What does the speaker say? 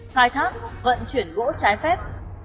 khai thác vận chuyển gỗ trái phép